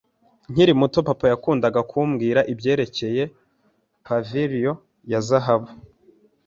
Nkiri muto, papa yakundaga kumbwira ibyerekeye Pavilion ya Zahabu.